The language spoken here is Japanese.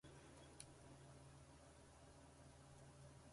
ｆｆｊ